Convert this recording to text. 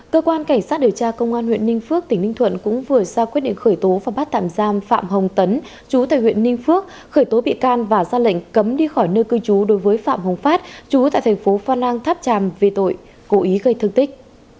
cơ quan cảnh sát điều tra công an huyện ninh phước tỉnh ninh thuận cũng vừa ra quyết định khởi tố và bắt tạm giam phạm hồng tấn chú tại huyện ninh phước khởi tố bị can và ra lệnh cấm đi khỏi nơi cư trú đối với phạm hồng phát chú tại thành phố phan rang tháp tràm về tội cố ý gây thương tích